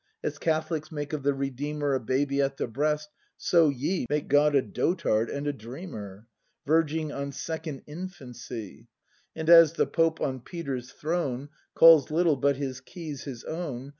As Catholics make of the Redeemer A baby at the breast, so ye Make God a dotard and a dreamer. Verging on second infancy. And as the Pope on Peter's throne Calls little but his keys his own.